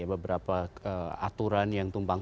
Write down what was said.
beberapa aturan yang tumpang